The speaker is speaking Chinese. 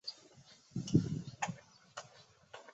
霍黑纳尔泰姆是德国巴伐利亚州的一个市镇。